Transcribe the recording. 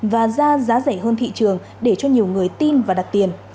và ra giá rẻ hơn thị trường để cho nhiều người tin và đặt tiền